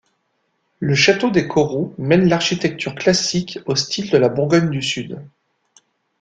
Le château des Correaux mêle l'architecture classique au style de la Bourgogne du Sud.